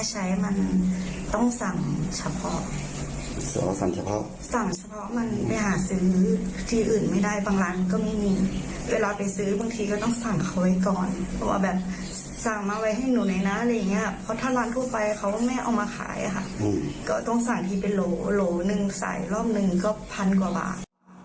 หลูหนึ่งใส่ร่มหนึ่งก็พันกว่าบาท